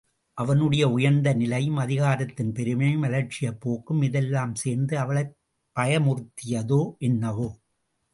அவனுடைய உயர்ந்த நிலையும், அதிகாரத்தின் பெருமையும், அலட்சியப் போக்கும் இதெல்லாம் சேர்ந்து அவளைப் பயமுறுத்தியதோ என்னவோ?